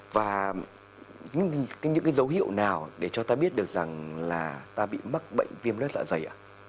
và những dấu hiệu nào để cho ta biết được rằng ta bị mắc bệnh viêm lất dạ dày